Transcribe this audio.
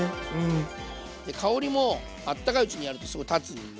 香りも温かいうちにやるとすごく立つんで。